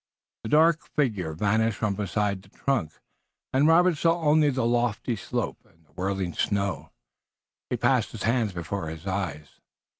The dark figure vanished from beside the trunk, and Robert saw only the lofty slope, and the whirling snow. He passed his hands before his eyes.